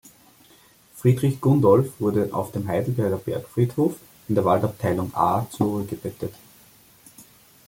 Friedrich Gundolf wurde auf dem Heidelberger Bergfriedhof, in der Waldabteilung A, zur Ruhe gebettet.